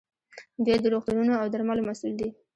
دوی د روغتونونو او درملو مسوول دي.